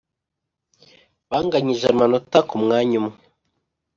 banganyije amanota ku mwanya umwe,